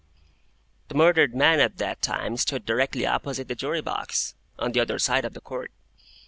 The murdered man at that time stood directly opposite the Jury box, on the other side of the Court.